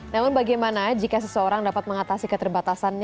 namun bagaimana jika seseorang dapat mengatasi keterbatasannya